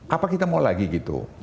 apa kita mau lagi gitu